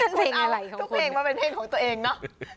ทุกเพลงมันเป็นเพลงของตัวเองเนอะ